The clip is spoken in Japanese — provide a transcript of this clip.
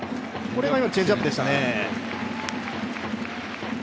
これはチェンジアップでしたね。